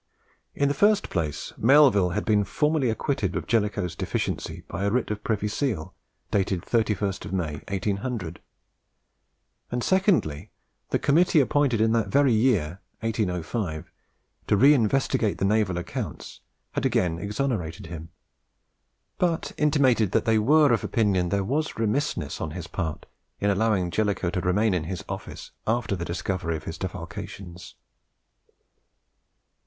In the first place, Melville had been formally acquitted of Jellicoe's deficiency by a writ of Privy Seal, dated 31st May, 1800; and secondly, the committee appointed in that very year (1805) to reinvestigate the naval accounts, had again exonerated him, but intimated that they were of opinion there was remissness on his part in allowing Jellicoe to remain in his office after the discovery of his defalcations.